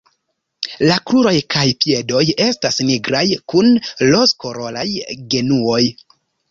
La kruroj kaj piedoj estas nigraj kun rozkoloraj genuoj.